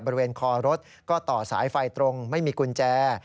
บริเวณคอรถก็ต่อสายไฟตรงไม่มีกุญแจ